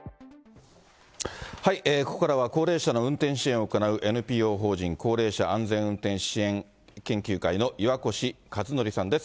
ここからは、高齢者の運転支援を行う、ＮＰＯ法人高齢者安全運転支援研究会の岩越和紀さんです。